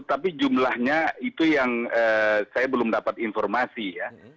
tapi jumlahnya itu yang saya belum dapat informasi ya